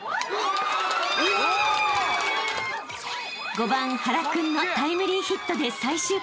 ［５番原君のタイムリーヒットで最終回］